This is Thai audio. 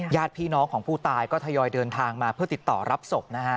ญาติพี่น้องของผู้ตายก็ทยอยเดินทางมาเพื่อติดต่อรับศพนะฮะ